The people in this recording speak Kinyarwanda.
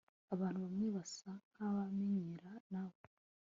abantu bamwe basa nkabemeranya nawe